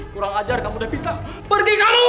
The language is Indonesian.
kurang ajar kamu udah pita pergi kamu